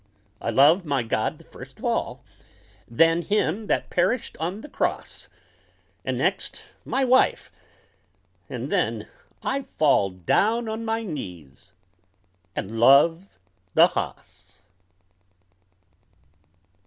I love my God the first of all, Then Him that perished on the cross, And next, my wife, and then I fall Down on my knees and love the hoss.